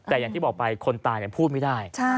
แต่อย่างที่บอกไปคนตายพูดไม่ได้